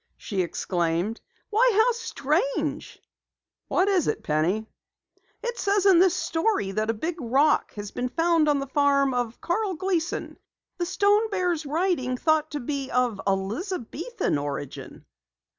she exclaimed. "Why, how strange!" "What is, Penny?" "It says in this story that a big rock has been found on the farm of Carl Gleason! The stone bears writing thought to be of Elizabethan origin!"